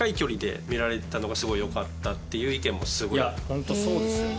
ホントそうですよね。